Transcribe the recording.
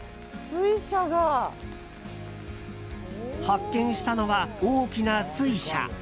発見したのは大きな水車。